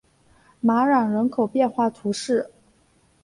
马朗人口变化图示